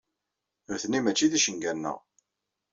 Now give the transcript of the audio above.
Nutni mačči d icenga-nneɣ.